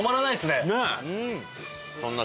ねっ！